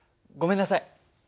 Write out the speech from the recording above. ごめんなさい。